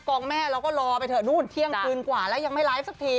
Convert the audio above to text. งแม่เราก็รอไปเถอะนู่นเที่ยงคืนกว่าแล้วยังไม่ไลฟ์สักที